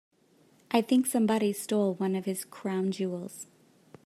I think somebody stole one of his crown jewels.